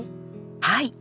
はい。